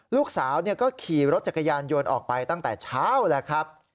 ลูกสาวก็ขี่รถจักรยานยนต์ออกไปตั้งแต่เช้าแล้วครับ